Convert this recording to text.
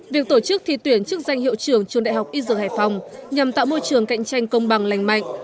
việc tổ chức thi tuyển chức danh hiệu trưởng trường đại học y dược hải phòng nhằm tạo môi trường cạnh tranh công bằng lành mạnh